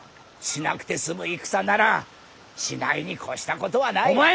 しなくて済む戦ならしないに越したことはない。